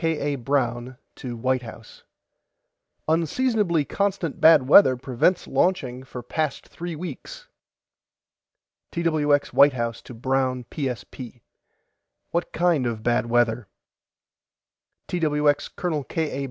K. A. BROWN TO WHITE HOUSE: UNSEASONABLY CONSTANT BAD WEATHER PREVENTS LAUNCHING FOR PAST THREE WEEKS TWX WHITE HOUSE TO BROWN PSP: WHAT KIND OF BAD WEATHER TWX COL. K. A.